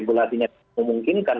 regulasinya tidak memungkinkan